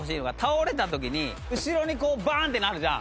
後ろにこうバンッてなるじゃん。